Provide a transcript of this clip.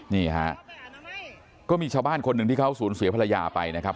นี่ฮะก็มีชาวบ้านคนหนึ่งที่เขาสูญเสียภรรยาไปนะครับ